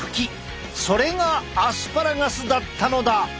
それがアスパラガスだったのだ。